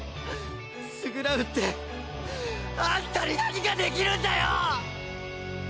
償うってあんたに何ができるんだよ！